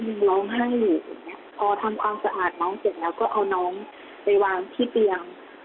พอทำความสะอาดน้องเสร็จแล้วก็เอาน้องไปวางที่เตียง